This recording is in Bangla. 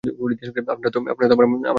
আপনারা তো আমার মাতা-পিতার মতো।